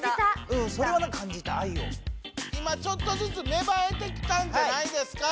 今ちょっとずつめばえてきたんじゃないですか？